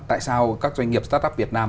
tại sao các doanh nghiệp startup việt nam